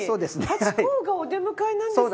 ハチ公がお出迎えなんですね。